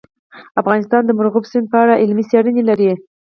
افغانستان د مورغاب سیند په اړه علمي څېړنې لري.